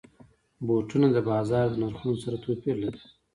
بوټونه د بازار د نرخونو سره توپیر لري.